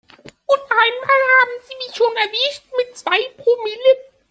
Und einmal haben sie mich schon erwischt mit zwei Promille.